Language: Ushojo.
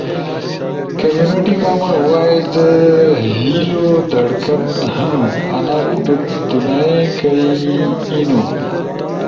کمیونٹی کامن وائس ہیلو دھڑکن ہنو۔ انا بوٹو دونئی کئی اینو۔